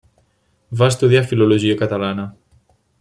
Va estudiar filologia catalana.